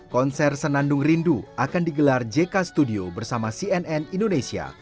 konser senandung rindu akan digelar jk studio bersama cnn indonesia